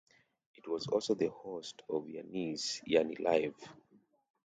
It was also the host of Yanni's Yanni Live!